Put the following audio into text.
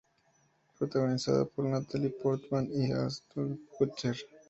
Protagonizada por Natalie Portman y Ashton Kutcher.